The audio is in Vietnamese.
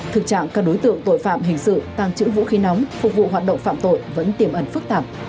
thực trạng các đối tượng tội phạm hình sự tàng trữ vũ khí nóng phục vụ hoạt động phạm tội vẫn tiềm ẩn phức tạp